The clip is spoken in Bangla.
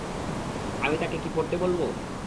আমি তাকে কি পরতে বলব?